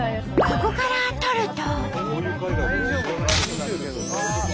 ここから撮ると。